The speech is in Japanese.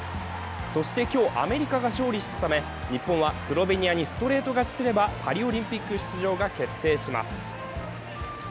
そして今日、アメリカが勝利したため、日本はスロベニアにストレート勝ちすればパリオリンピック出場が決定します。